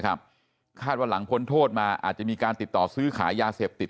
คาดว่าหลังพ้นโทษมาอาจจะมีการติดต่อซื้อขายยาเสพติด